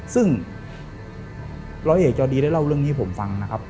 ซึ่งร้อยเอกจอดีได้เล่าเรื่องนี้ให้ผมฟังนะครับ